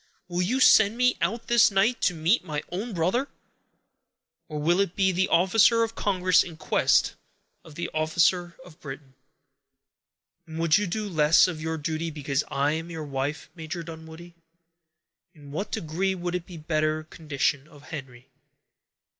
Will you send me out this night, to meet my own brother? or will it be the officer of Congress in quest of the officer of Britain?" "And would you do less of your duty because I am your wife, Major Dunwoodie? In what degree would it better the condition of Henry?"